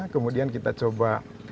kemudian kita coba